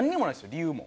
理由も。